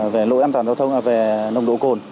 về lỗi an toàn giao thông về nồng độ cồn